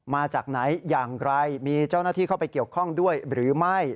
มาจากไหนอย่างไรมีเจ้าหน้าที่เข้าไปเกี่ยวข้องด้วยหรือไม่